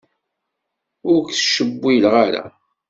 Ur k-ttcewwileɣ ara.